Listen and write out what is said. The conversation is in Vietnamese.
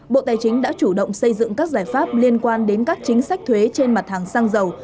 bộ tài chính đã chủ động xây dựng các giải pháp liên quan đến các chính sách thuế trên mặt hàng xăng dầu